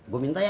gua minta ya